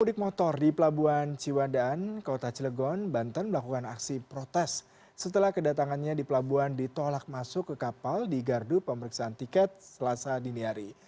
pemudik motor di pelabuhan ciwandaan kota cilegon banten melakukan aksi protes setelah kedatangannya di pelabuhan ditolak masuk ke kapal di gardu pemeriksaan tiket selasa dini hari